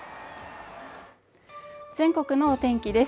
全国のお天気です